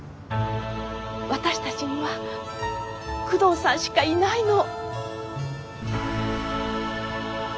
私たちには久遠さんしかいないの。